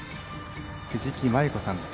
藤木麻祐子さん